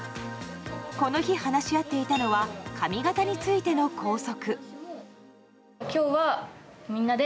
この日、話し合っていたのは髪形についての校則。